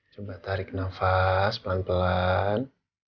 coba tarik nafas pelan pelan